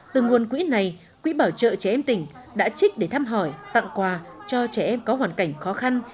từ nguồn quỹ này quỹ bảo trợ trẻ em tỉnh đã trích để thăm hỏi tặng quà cho trẻ em có hoàn cảnh khó khăn